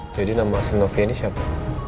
jadi nama aslin novia ini siapa